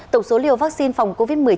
tổng số liều vaccine phòng covid một mươi chín